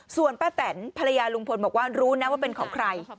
ส่วนป้าแตนภรรยาลุงพลบอกว่ารู้นะว่าเป็นของใคร